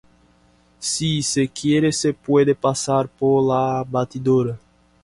Si se quiere se puede pasar por la batidora.